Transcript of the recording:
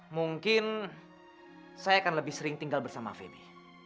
mungkin saya akan lebih sering tinggal bersama femi